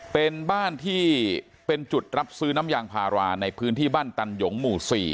เป็นบ้านที่เป็นจุดรับซื้อน้ำยางพาราในพื้นที่บ้านตันหยงหมู่๔